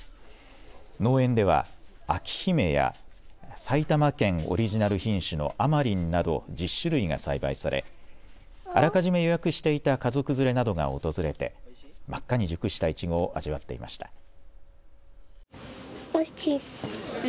農園では章姫や埼玉県オリジナル品種のあまりんなど１０種類が栽培されあらかじめ予約していた家族連れなどが訪れて真っ赤に熟したいちごを味わっていました。